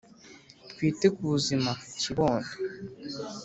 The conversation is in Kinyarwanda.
Twite ku buzima kibondo